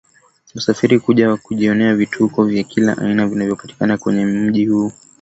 Husafiri kuja kujionea vivutio vya kila aina vinavyopatikana kwenye mji huu mkongwe wa Zanzibar